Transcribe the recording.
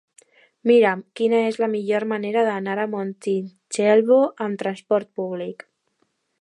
Mira'm quina és la millor manera d'anar a Montitxelvo amb transport públic.